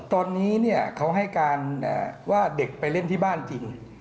ตอนนี้เขาให้การว่าเด็กไปเล่นที่บ้านจริง